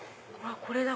これだ！